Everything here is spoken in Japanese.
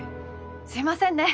すいませんね！